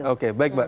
oke baik mbak